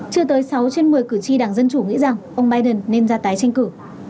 chưa tới sáu trên một mươi cử tri đảng dân chủ nghĩ rằng ông biden nên ra tái tranh cử